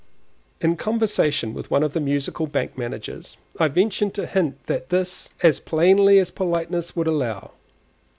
In conversation with one of the Musical Bank managers I ventured to hint this as plainly as politeness would allow.